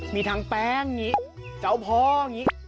มีทั้งแป้งอย่างนี้เจ้าพ่ออย่างนี้